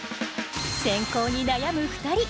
選考に悩む２人。